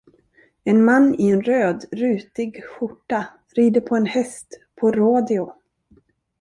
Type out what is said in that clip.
En man i en röd rutig skjorta rider på en häst på rodeo.